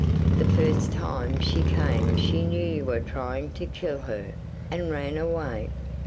The first time she came she knew you were trying to kill her, and ran away.